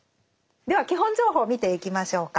では基本情報を見ていきましょうか。